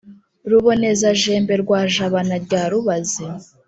ruboneza-jembe rwa jabana rya rubazi